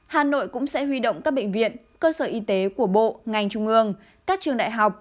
hà nội cũng sẽ huy động các bệnh viện cơ sở y tế của bộ ngành trung ương các trường đại học